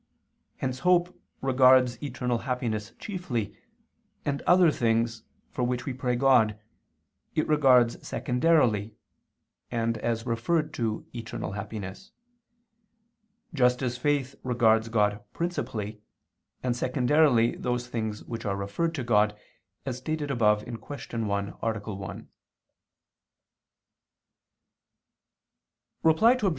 Hence hope regards eternal happiness chiefly, and other things, for which we pray God, it regards secondarily and as referred to eternal happiness: just as faith regards God principally, and, secondarily, those things which are referred to God, as stated above (Q. 1, A. 1). Reply Obj.